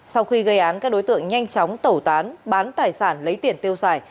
sau khi gây án các đối tượng nhanh chóng tẩu tán bán tài sản lấy tiền tiêu xài